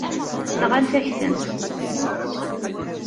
Nɣant-ak-tent.